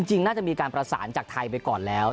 จริงน่าจะมีการประสานจากไทยไปก่อนแล้ว